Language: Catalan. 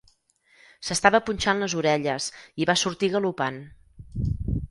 S'estava punxant les orelles i va sortir galopant.